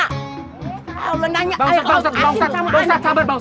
kalau nanya air laut asin sama anak